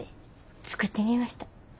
作ってみました。